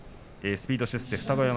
スピード出世。